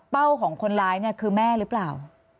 ของคนร้ายเนี่ยคือแม่หรือเปล่า